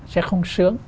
sẽ không sướng